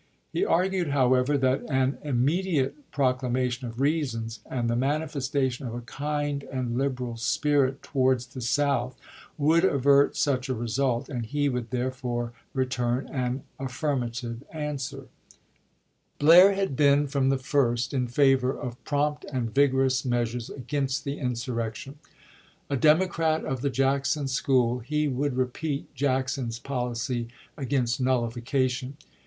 He argued, however, that an immediate proc Mar.ie.isei. lamation of reasons, and the manifestation of a kind and liberal spirit towards the South, would avert such a result, and he would therefore return an aftirmative answer. Vol. III.— 25 386 ABEAHAM LINCOLN Blair to Lincoln, Mar.15,1861. MS. Blair had been from the first in favor of prompt and vigorous m'easures against the insurrection. A Democrat of the Jackson school, he would repeat Jackson's policy against nullification.